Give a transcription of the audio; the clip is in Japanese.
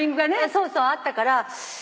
そうそうあったから。